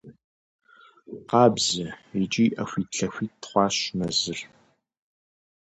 Къабзэ икӏи ӏэхуит-лъэхуит хъуащ мэзыр.